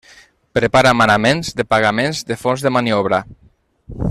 Prepara manaments de pagaments de fons de maniobra.